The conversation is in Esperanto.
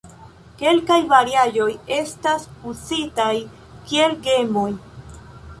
Kelkaj variaĵoj estas uzitaj kiel gemoj.